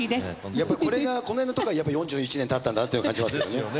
やっぱりこれがこのへんのところがやっぱり４１年たったんだなって感じますよね。